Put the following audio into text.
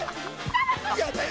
やだよ